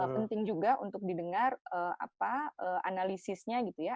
penting juga untuk didengar analisisnya gitu ya